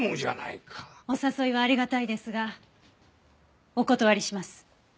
お誘いはありがたいですがお断りします。